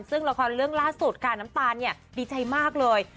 ซึ่งละครเลื่องล่าสูตรการน้ำตาลนี่ดีใจมากเลย